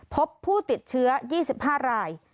พบผู้ติดเชื้อ๒๕ราย